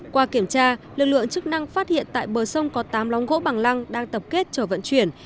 qua kiểm tra lực lượng chức năng phát hiện tại bờ sông có tám lóng gỗ bằng lăng đang tập kết chờ vận chuyển